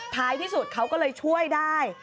ท้ายที่สุดเขาก็เลยช่วยได้